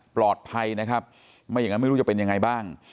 ปลอดภัยนะครับไม่อย่างนั้นไม่รู้จะเป็นยังไงบ้าง